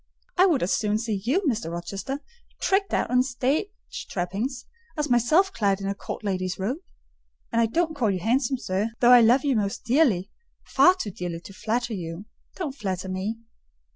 I would as soon see you, Mr. Rochester, tricked out in stage trappings, as myself clad in a court lady's robe; and I don't call you handsome, sir, though I love you most dearly: far too dearly to flatter you. Don't flatter me."